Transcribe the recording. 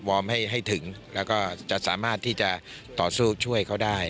ให้ถึงแล้วก็จะสามารถที่จะต่อสู้ช่วยเขาได้